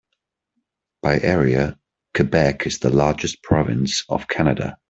By area, Quebec is the largest province of Canada.